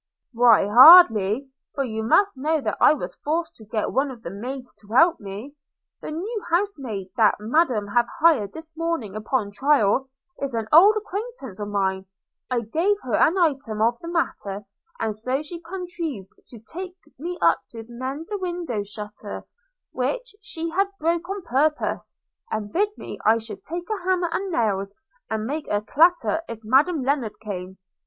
– 'Why hardly; for you must know that I was forced to get one of the maids to help me. The new house maid that Madam have hired this morning upon trial, is an old acquaintance of mine; I gave her an item of the matter, and so she contrived to take me up to mend the window shutter, which she had broke on purpose; and bid me I should take a hammer and nails, and make a clatter if Madam Lennard came.